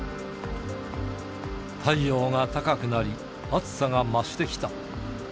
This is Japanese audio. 太陽が高くなり、暑さが増してきた。